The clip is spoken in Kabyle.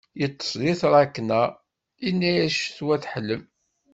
Iṭṭes di tṛakna, yina-as ccetwa teḥlem.